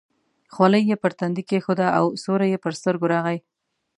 خولۍ یې پر تندي کېښوده او سیوری یې پر سترګو راغی.